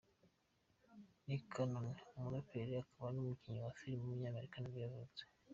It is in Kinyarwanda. Nick Cannon, umuraperi akaba n’umukinnyi wa film w’umunyamerika nibwo yavutse.